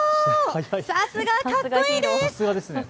さすが、かっこいいです。